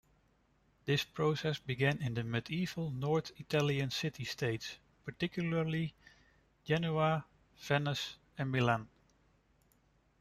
This process began in the medieval North Italian city-states, particularly Genoa, Venice, and Milan.